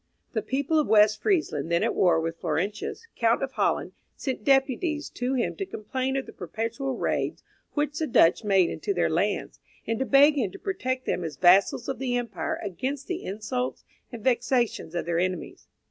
The people of West Friesland, then at war with Florentius, Count of Holland, sent deputies to him to complain of the perpetual raids which the Dutch made into their lands, and to beg him to protect them as vassals of the empire against the insults and vexations of their enemies.